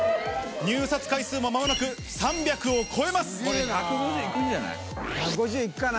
入札回数もまもなく３００を超えすげーなー。